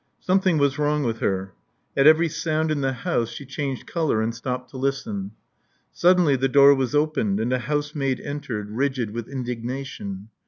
Something was wrong with her: at every sound in the house she changed color and stopped to listen. Suddenly the door was opened ; and a housemaid entered, rigid with indigna tion.